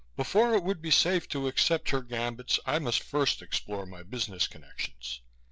Before it would be safe to accept her gambits I must first explore my business connections.